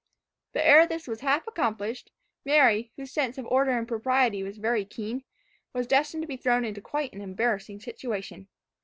But ere this was half accomplished, Mary, whose sense of order and propriety was very keen, was destined to be thrown into quite an embarrassing situation.